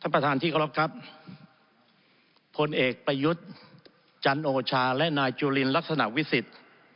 ประธานที่เคารพครับพลเอกประยุทธ์จันโอชาและนายจุลินลักษณะวิสิทธิ์